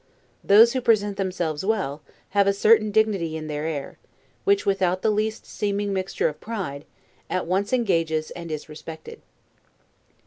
Those who present themselves well, have a certain dignity in their air, which, without the least seeming mixture of pride, at once engages, and is respected.